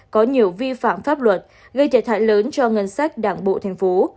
có nhiều vi phạm pháp luật gây thể thải lớn cho ngân sách đảng bộ thành phố